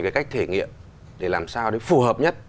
cái cách thể nghiệm để làm sao để phù hợp nhất